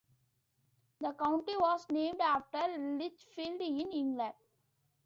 The county was named after Lichfield, in England.